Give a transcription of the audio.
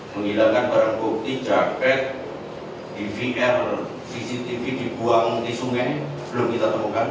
menghilangkan barang bukti jaket dvr cctv dibuang di sungai belum kita temukan